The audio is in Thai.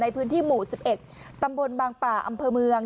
ในพื้นที่หมู่๑๑ตำบลบางป่าอำเภอเมือง